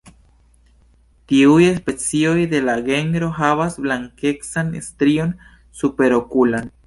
Ĉiuj specioj de la genro havas blankecan strion superokulan.